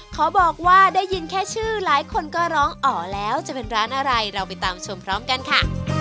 ขอบอกว่าได้ยินแค่ชื่อหลายคนก็ร้องอ๋อแล้วจะเป็นร้านอะไรเราไปตามชมพร้อมกันค่ะ